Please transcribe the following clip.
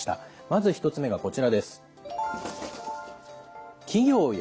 まず１つ目がこちらです。